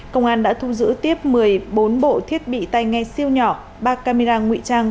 công an đã thu giữ tiếp một mươi bốn bộ thiết bị tay nghe siêu nhỏ ba camera ngụy trang